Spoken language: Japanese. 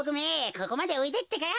ここまでおいでってか。